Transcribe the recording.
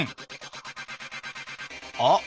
あっ！